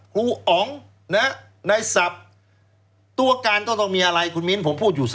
ครูอ๋องนะในทรัพย์ตัวการต้องมีอะไรคุณมิ้นผมพูดอยู่เสมอ